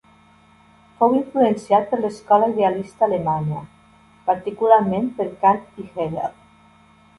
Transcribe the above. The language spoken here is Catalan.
Fou influenciat per l'escola Idealista alemanya, particularment per Kant i Hegel.